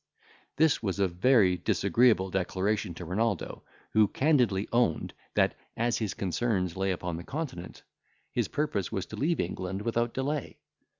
This was a very disagreeable declaration to Renaldo, who candidly owned, that, as his concerns lay upon the Continent, his purpose was to leave England without delay.